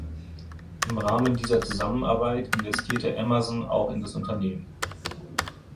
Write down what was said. Im Rahmen dieser Zusammenarbeit investierte Amazon auch in das Unternehmen.